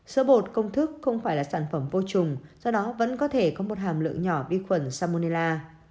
sữa bột công thức không phải là sản phẩm vô trùng do đó vẫn có thể có một hàm lượng nhỏ vi khuẩn salmonella